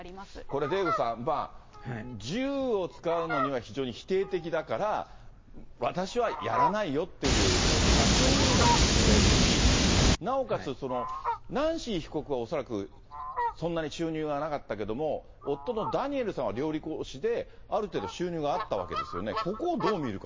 これ、デーブさん、銃を使うのには非常に否定的だから、私はやらないよっていう、逆にも取れるし、なおかつナンシー被告は恐らくそんなに収入がなかったけども、夫のダニエルさんは料理講師である程度収入があったわけですよね。